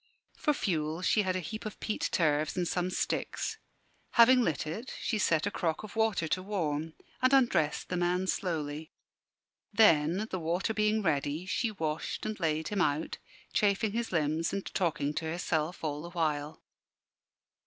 For fuel she had a heap of peat turves and some sticks. Having lit it, she set a crock of water to warm, and undressed the man slowly. Then, the water being ready, she washed and laid him out, chafing his limbs and talking to herself all the while.